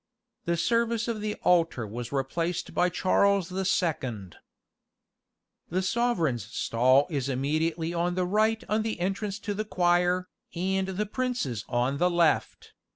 The service of the altar was replaced by Charles the Second. The sovereign's stall is immediately on the right on the entrance to the choir, and the prince's on the left.